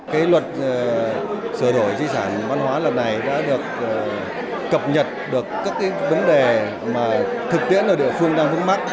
cái luật sửa đổi di sản văn hóa lần này đã được cập nhật được các vấn đề thực tiễn ở địa phương đăng vương bắc